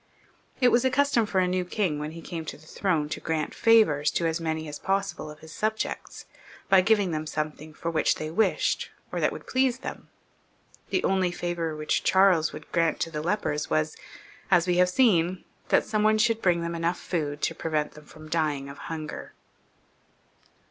It was a custom for a new king, when he came to the throne, to grant favours to as many as possible of his subjects, by giving them something for which they wished, or that would please them. The only favour which Charles would grant to the lepers was, as we have seen, that some one should bring them enough food to prevent them from dying of hunger.